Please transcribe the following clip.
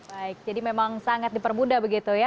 baik jadi memang sangat dipermudah begitu ya